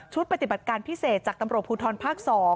ปฏิบัติการพิเศษจากตำรวจภูทรภาค๒